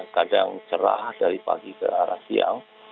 kadang cerah dari pagi ke arah siang